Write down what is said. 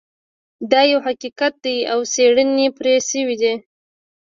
دا یو حقیقت دی او څیړنې پرې شوي دي